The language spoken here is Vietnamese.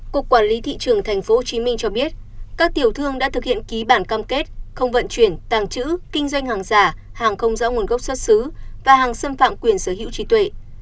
cục quản lý thị trường tp hcm cho biết các tiểu thương đã thực hiện ký bản cam kết không vận chuyển tàng trữ kinh doanh hàng giả hàng không rõ nguồn gốc xuất xứ và hàng xâm phạm quyền sở hữu trí tuệ